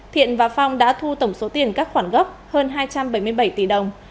thiện và phong đã thu tổng số tiền các khoản gốc hơn hai trăm bảy mươi bảy tỷ đồng